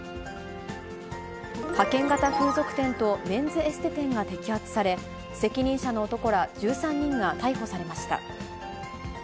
派遣型風俗店と、メンズエステ店が摘発され、責任者の男ら１３人が逮捕されました。